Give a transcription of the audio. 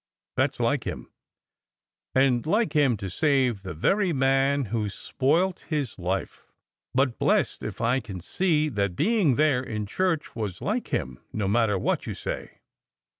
That s like him. And like him to save the very man who s spoilt his life. But blest if I can see that being there in church was like him, no matter what you say!